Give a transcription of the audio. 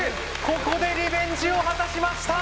ここでリベンジを果たしました！